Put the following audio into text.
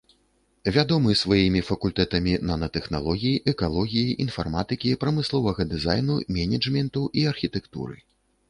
Вядомы сваімі факультэтамі нанатэхналогій, экалогіі, інфарматыкі, прамысловага дызайну, менеджменту і архітэктуры.